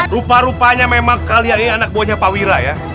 rupa rupanya memang kalian ini anak buahnya pak wira ya